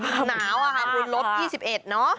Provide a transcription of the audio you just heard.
หนาวอะค่ะคุณลบ๒๑เนอะ